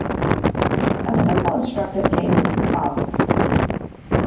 A simple instructive case is the following.